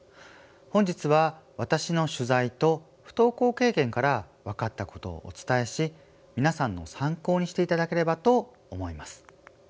本日は私の取材と不登校経験から分かったことをお伝えし皆さんの参考にしていただければと思います。